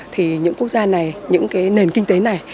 thì những quốc gia này những cái nền kinh tế này